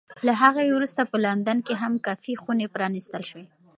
له هغې وروسته په لندن کې هم کافي خونې پرانېستل شوې.